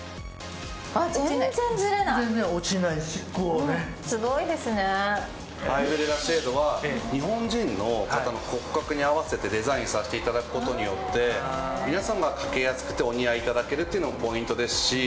あっ全然アイブレラシェードは日本人の方の骨格に合わせてデザインさせて頂く事によって皆さんがかけやすくてお似合い頂けるっていうのもポイントですし。